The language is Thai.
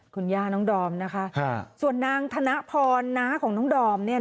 คุณย่าน้องดอมนะคะส่วนนางธนพรน้าของน้องดอมเนี่ย